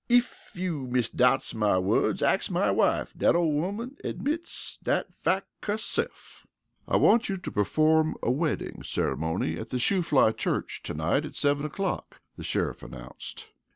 Ef you misdoubts my words, ax my wife. Dat ole woman admits dat fack herse'f." "I want you to perform a wedding ceremony at the Shoofly Church to night at seven o'clock," the sheriff announced.